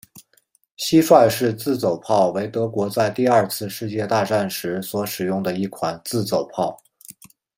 蟋蟀式自走炮为德国在第二次世界大战时所使用的一款自走炮。